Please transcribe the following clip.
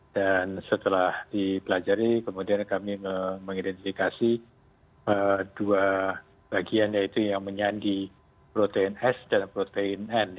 dan setelah dipelajari kemudian kami mengidentifikasi dua bagian yaitu yang menyandi protein s dan protein n